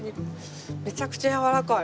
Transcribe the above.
めちゃくちゃやわらかい。